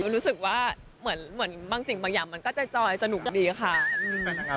รู้สึกว่าเหมือนบางสิ่งบางอย่างมันก็จอยสนุกดีค่ะ